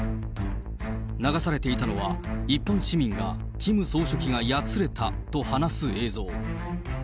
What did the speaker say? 流されていたのは、一般市民がキム総書記がやつれたと話す映像。